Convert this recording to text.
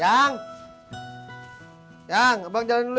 ya abang ga jadi pake celana jeans nya deh